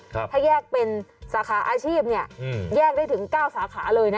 ถ้าแยกเป็นสาขาอาชีพเนี่ยแยกได้ถึง๙สาขาเลยนะ